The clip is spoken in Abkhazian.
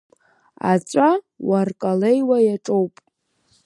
Аҵәа уаркалеиуа иаҿоуп.